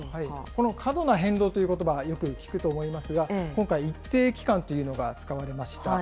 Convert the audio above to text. この過度な変動ということばはよく聞くと思いますが、今回、一定期間というのが使われました。